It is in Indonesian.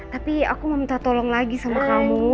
tapi aku mau minta tolong lagi sama kamu